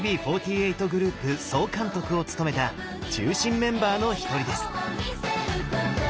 グループ総監督を務めた中心メンバーの一人です。